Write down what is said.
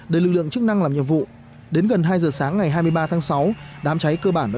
để lực lượng chức năng làm nhiệm vụ đến gần hai giờ sáng ngày hai mươi ba tháng sáu đám cháy cơ bản đã